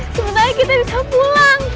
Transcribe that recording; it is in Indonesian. sebenarnya kita bisa pulang